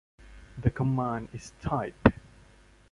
The command is type.